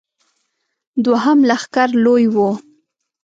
دوهم لښکر لوی و.